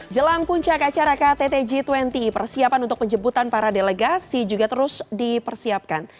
jelang puncak acara ktt g dua puluh persiapan untuk penjemputan para delegasi juga terus dipersiapkan